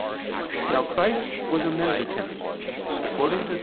Now Christ was a mendicant, according to Ps.